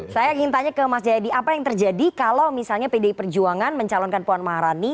saya ingin tanya ke mas jayadi apa yang terjadi kalau misalnya pdi perjuangan mencalonkan puan maharani